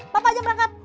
papa aja yang berangkat